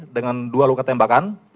dengan dua luka tembakan